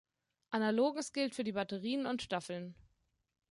Analoges gilt für die Batterien und Staffeln.